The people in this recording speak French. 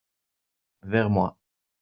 Vers moi.